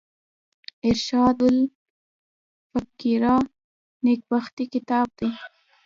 ارشاد الفقراء نېکبختي کتاب دﺉ.